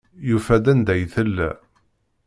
Yufa-d anda ay tella.